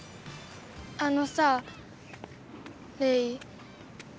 あのさレイ。